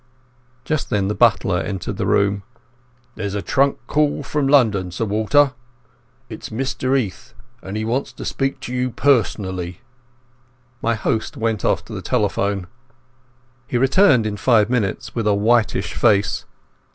Just then the butler entered the room. "There's a trunk call from London, Sir Walter. It's Mr 'Eath, and he wants to speak to you personally." My host went off to the telephone. He returned in five minutes with a whitish face.